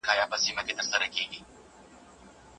د ټولني ملاتړ څه دی؟